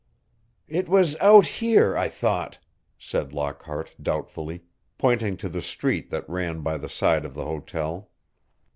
"It was out here, I thought," said Lockhart doubtfully, pointing to the street that ran by the side of the hotel.